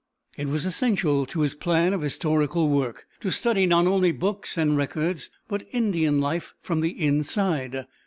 It was essential to his plan of historical work to study not only books and records but Indian life from the inside.